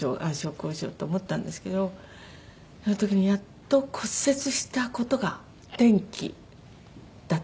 こうしようって思ったんですけどあの時にやっと骨折した事が転機だったんです私にとって。